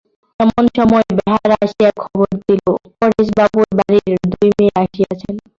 এমন সময় বেহারা আসিয়া খবর দিল, পরেশবাবুর বাড়ির দুই মেয়ে আসিয়াছেন।